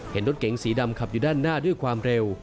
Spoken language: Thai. เห็นรถเก๋งสีดำขับอยู่ด้านหน้าด้วยความเร็ว